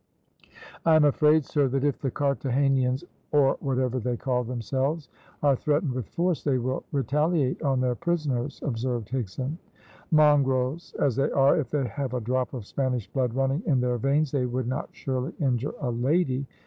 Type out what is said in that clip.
"I am afraid, sir, that if the Carthagenans, or whatever they call themselves, are threatened with force, they will retaliate on their prisoners," observed Higson. "Mongrels as they are, if they have a drop of Spanish blood running in their veins, they would not surely injure a lady!"